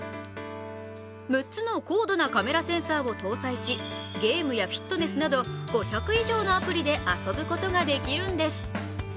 ６つの高度なカメラセンサーを搭載しゲームやフィットネスなど５００以上のアプリで遊ぶことができるんです。